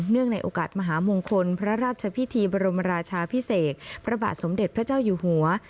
ในโอกาสมหามงคลพระราชพิธีบรมราชาพิเศษพระบาทสมเด็จพระเจ้าอยู่หัว